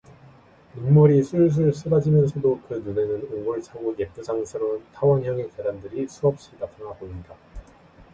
눈물이 술술 쏟아지면서도 그 눈에는 옹골차고 예쁘장스러운 타원형의 계란들이 수없이 나타나 보인다.